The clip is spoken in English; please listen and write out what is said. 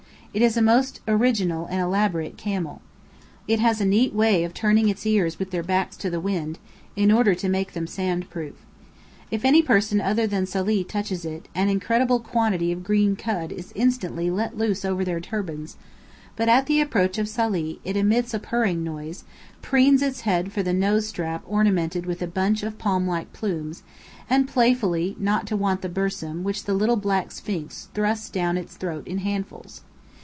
It is a most original and elaborate camel. It has a neat way of turning its ears with their backs to the wind, in order to make them sand proof. If any person other than Salih touches it, an incredible quantity of green cud is instantly let loose over their turbans; but at the approach of Salih it emits a purring noise, preens its head for the nose strap ornamented with a bunch of palmlike plumes, and playfully pretends not to want the bersím which the little black Sphinx thrusts down its throat in handfuls.